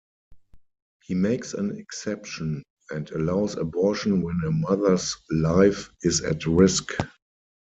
He makes an exception and allows abortion when a mother's life is at risk.